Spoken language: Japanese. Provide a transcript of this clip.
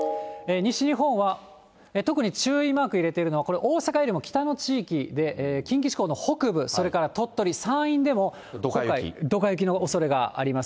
西日本は特に注意マーク入れているのは、これ、大阪よりも北の地域で、近畿地方の北部、それから鳥取、山陰でもどか雪のおそれがあります。